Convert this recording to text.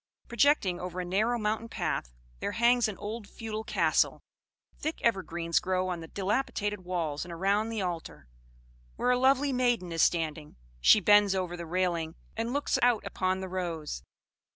"Projecting over a narrow mountain path there hangs an old feudal castle. Thick evergreens grow on the dilapidated walls, and around the altar, where a lovely maiden is standing: she bends over the railing and looks out upon the rose.